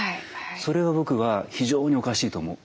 それは僕は非常におかしいと思う。